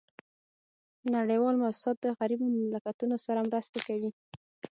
نړیوال موسسات د غریبو مملکتونو سره مرستي کوي